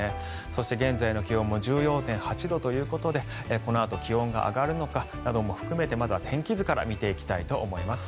そして現在の気温も１４．８度ということでこのあと気温が上がるのかなども含めてまずは天気図から見ていきたいと思います。